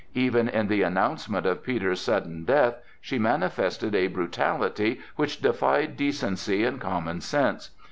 Even in the announcement of Peter's sudden death she manifested a brutality which defied decency and common sense.